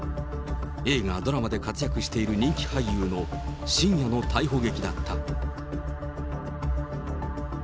映画、ドラマで活躍している人気俳優の深夜の逮捕劇だった。